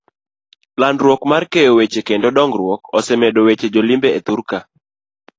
Landruok mar keyo weche kendo dong'ruok, osemedo weche jo limbe e thurka.